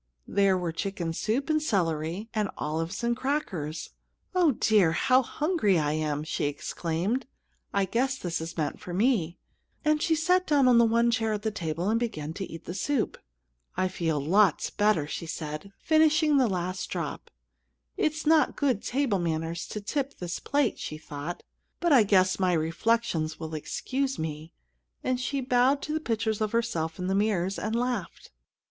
There were chicken soup, and celery, and olives, and crackers. "Oh, dear! How hungry I am!" she exclaimed. "I guess this is meant for me;" and she sat down on the one chair at the table and began to eat the soup. "I feel lots better!" said she, finishing the last drop. "It's not good table manners to tip this plate," she thought; "but I guess my reflections will excuse me," and she bowed to the pictures of herself in the mirrors, and laughed.